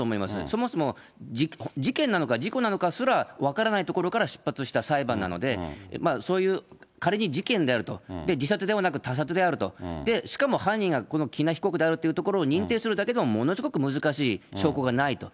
そもそも事件なのか事故なのかすら、分からないところから出発した裁判なので、そういう仮に事件であると、自殺ではなく他殺であると、しかも犯人が、この喜納被告であるということを認定するだけでも、ものすごく難しい、証拠がないと。